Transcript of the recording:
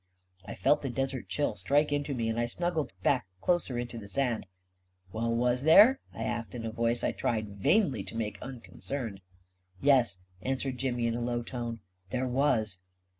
I felt the desert chill strike into me, and I snug gled back closer into the sand. "Well, was there?" I asked, in a voice I tried vainly to make unconcerned. " Yes," answered Jimmy, in a low tone, " there was."